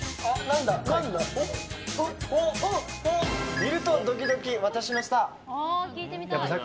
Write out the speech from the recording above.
見るとドキドキ私のスター。